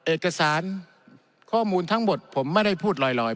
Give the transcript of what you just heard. เอกสารข้อมูลทั้งหมดผมไม่ได้พูดลอย